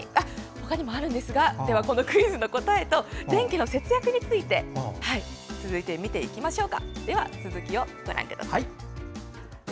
他にもあるんですがでは、クイズの答えと電気の節約について続いて見ていきましょう。